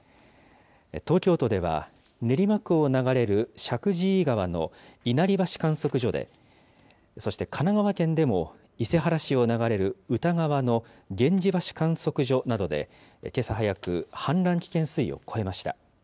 東京都では、練馬区を流れる石神井川の稲荷橋観測所で、そして神奈川県でも伊勢原市を流れる歌川の源氏橋観測所などで、けさ早く氾濫危険水位を超えました。